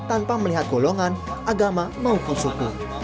tanpa melihat golongan agama maupun suku